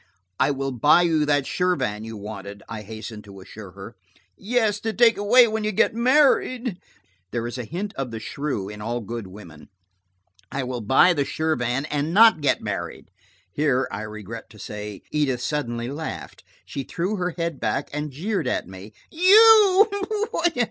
"I will buy you that Shirvan you wanted," I hastened to assure her. "Yes, to take away when you get married." There is a hint of the shrew in all good women. "I will buy the Shirvan and not get married." Here, I regret to say, Edith suddenly laughed. She threw her head back and jeered at me. "You!"